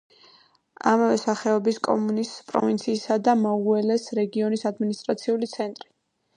ამავე სახელობის კომუნის, პროვინციისა და მაულეს რეგიონის ადმინისტრაციული ცენტრი.